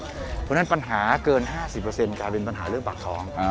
เพราะฉะนั้นปัญหาเกิน๕๐กลายเป็นปัญหาเรื่องปากท้อง